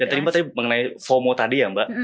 dan tadi mbak mengenai fomo tadi ya mbak